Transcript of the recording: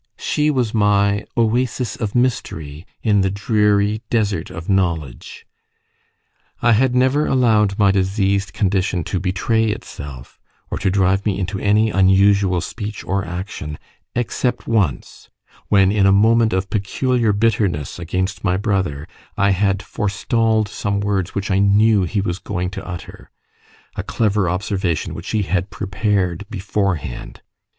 She was my oasis of mystery in the dreary desert of knowledge. I had never allowed my diseased condition to betray itself, or to drive me into any unusual speech or action, except once, when, in a moment of peculiar bitterness against my brother, I had forestalled some words which I knew he was going to utter a clever observation, which he had prepared beforehand.